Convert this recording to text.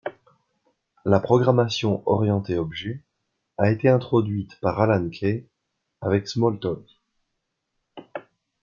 La programmation orientée objet a été introduite par Alan Kay avec Smalltalk.